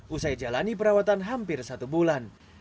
usai jalani perawatan hampir satu bulan